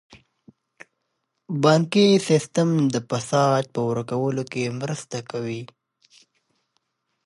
بانکي سیستم د فساد په ورکولو کې مرسته کوي.